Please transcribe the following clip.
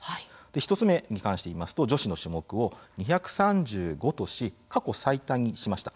１つ目に関してですが女子の種目を２３５とし過去最多にしました。